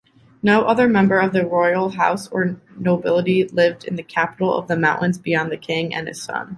No other member of the royal house or nobility lived in the capital of the mountains beyond the king and his son